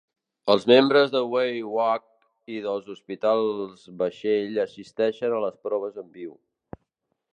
Els membres de Wye Oak i dels hospitals vaixell assisteixen a les proves en viu.